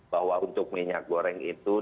bahwa untuk minyak goreng itu